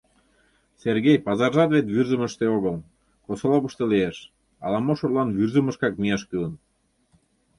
Сергей пазаржат вет Вӱрзымыштӧ огыл, Косолопышто лиеш, ала-мо шотлан Вӱрзымышкак мияш кӱлын.